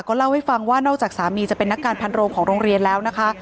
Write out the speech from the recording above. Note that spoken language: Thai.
เล่าให้ฟังว่านอกจากสามีจะเป็นนักการพันโรงของโรงเรียนแล้วนะคะ